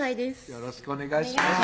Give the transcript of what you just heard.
よろしくお願いします